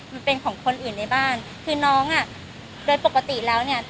มันเป็นของคนอื่นในบ้านคือน้องอ่ะโดยปกติแล้วเนี่ย